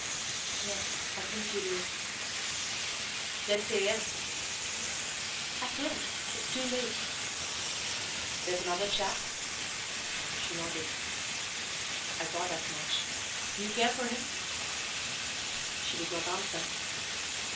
"Yes, I think you do." "Then say yes." "I can't it is too late." "There's another chap?" She nodded. "I thought as much. Do you care for him?" She did not answer.